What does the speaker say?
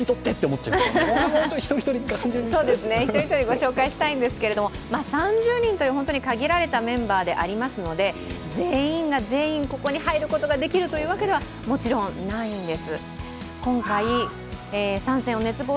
一人一人ご紹介したいんですけれども、３０人という限られたメンバーですので全員が全員、ここに入ることができるわけではもちろんないんです。